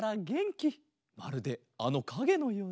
まるであのかげのようだ。